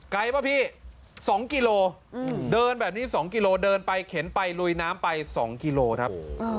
ป่ะพี่๒กิโลเดินแบบนี้๒กิโลเดินไปเข็นไปลุยน้ำไป๒กิโลครับ